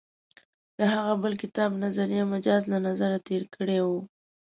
د هغه بل کتاب «نظریه مجاز» له نظره تېر کړی و.